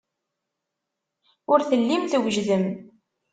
Ur tellim twejdem.